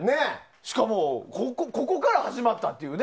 しかも、ここから始まったという。